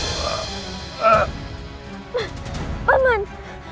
kau camkan itu